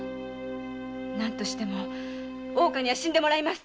何としても大岡には死んでもらいます‼